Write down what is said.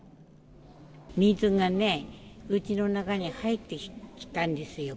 水がね、うちの中に入ってきたんですよ。